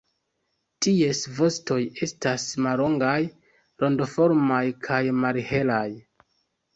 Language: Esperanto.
Ties vostoj estas mallongaj, rondoformaj kaj malhelaj.